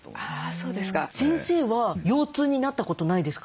先生は腰痛になったことないですか？